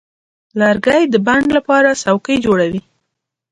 لرګی د بڼ لپاره څوکۍ جوړوي.